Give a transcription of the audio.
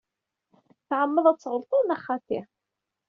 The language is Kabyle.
Tɛemmeḍ ad tɣelṭeḍ, neɣ xaṭi?